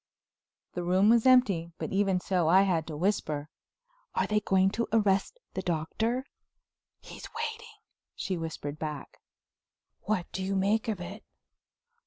The room was empty but even so I had to whisper: "Are they going to arrest the Doctor?" "He's waiting," she whispered back. "What do you make of it?"